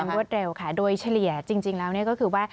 มันไม่ต่อกันรวดเร็วค่ะโดยเฉลี่ยจริงแล้วนี่ก็คือว่า